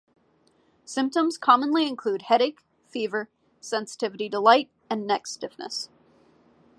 Symptoms commonly include headache, fever, sensitivity to light, and neck stiffness.